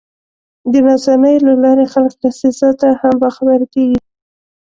د رسنیو له لارې خلک له سیاست هم باخبره کېږي.